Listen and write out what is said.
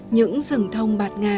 những rừng thông bạt ngây